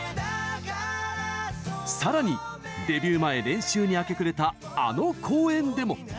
さらに、デビュー前、練習に明け暮れたあの公園でも。